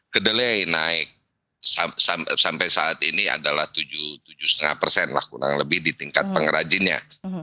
kedelai naik sampai saat ini adalah tujuh lima persen lah kurang lebih di tingkat pengrajinnya